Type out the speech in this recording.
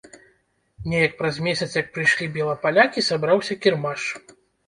Неяк праз месяц, як прыйшлі белапалякі, сабраўся кірмаш.